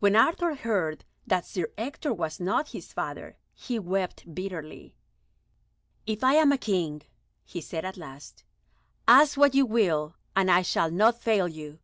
When Arthur heard that Sir Ector was not his father, he wept bitterly. "If I am King," he said at last, "ask what you will, and I shall not fail you.